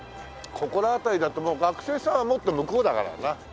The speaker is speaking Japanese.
ここら辺りだともう学生さんはもっと向こうだからな。